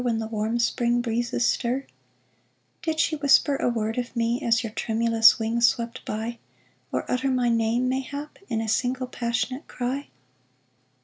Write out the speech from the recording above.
When the warm spring breezes stir ? Did she whisper a word of me As your tremulous wings swept by, Or utter my name, mayhap. In a single passionate cry